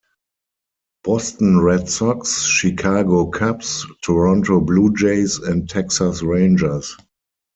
Boston Red Sox, Chicago Cubs, Toronto Blue Jays and Texas Rangers.